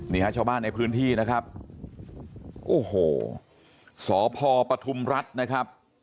นี่ฮะชาวบ้านในพื้นที่นะครับโอ้โหสพปฐุมรัฐนะครับ